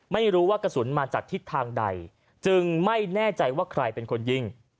ไม่รู้ว่ากระสุนมาจากทิศทางใดจึงไม่แน่ใจว่าใครเป็นคนยิง